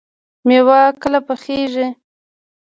مېوه کله پخیږي؟